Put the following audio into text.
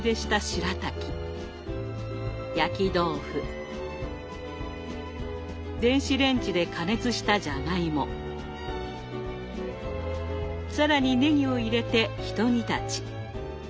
しらたき焼き豆腐電子レンジで加熱したじゃがいも更にねぎを入れてひと煮立ち。